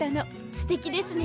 すてきですね。